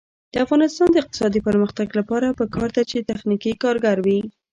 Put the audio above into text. د افغانستان د اقتصادي پرمختګ لپاره پکار ده چې تخنیکي کارګر وي.